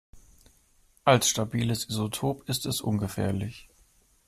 Als stabiles Isotop ist es ungefährlich.